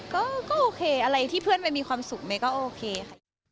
ก็โอเคอะไรที่เพื่อนเมย์มีความสุขเมย์ก็โอเคค่ะ